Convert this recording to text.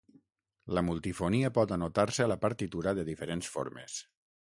La multifonia pot anotar-se a la partitura de diferents formes.